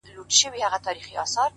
پوهه د وېرې کړۍ ماتوي